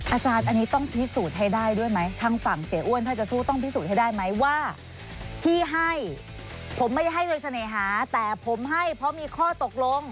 อาจารย์อันนี้ต้องพิสูจน์ให้ได้ด้วยไหมทางฝั่งเสียอ้วนถ้าจะสู้ต้องพิสูจน์ให้ได้ไหมว่าที่ให้ผมไม่ได้ให้โดยเสน่หาแต่ผมให้เพราะมีข้อตกลง